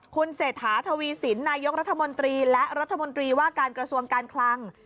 คุณเศรษฐาทวีสินนายกรัฐมนตรีและรัฐมนตรีว่าการกระทรวงการคลัง